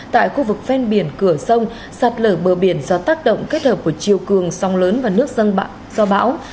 tại khu vực ven biển cửa sông sạt lở bờ biển do tác động kết hợp của chiều cường sông lớn và nước dân do bão